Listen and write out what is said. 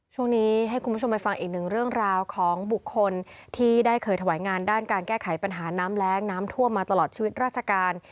ช่วงนี้ให้คุณผู้ชมไปฟังอีกหนึ่งเรื่องราวของบุคคลที่ได้เคยถวายงานด้านการแก้ไขปัญหาน้ำแรงน้ำท่วมมาตลอดชีวิตราชการ